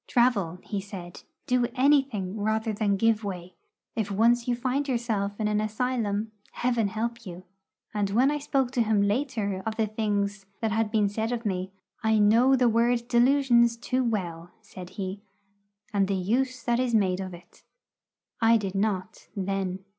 'Travel,' he said; 'do anything rather than give way. If once you find yourself in an asylum, Heaven help you!' And when I spoke to him later of the things that had been said of me, 'I know that word "delusions" too well,' said he, 'and the use that is made of it.' I did not, then.